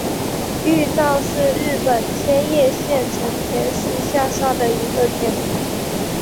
玉造是日本千叶县成田市下辖的一个町。